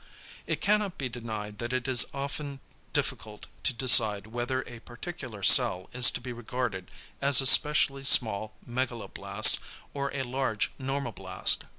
It cannot be denied that it is often difficult to decide whether a particular cell is to be regarded as a specially small megaloblast or a large normoblast.